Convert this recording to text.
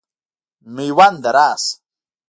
مېونده راسه.